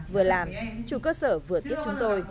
vừa làm chủ cơ sở vừa tiếp chúng tôi